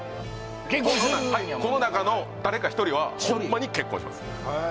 結婚するんやこの中の誰か１人はホンマに結婚します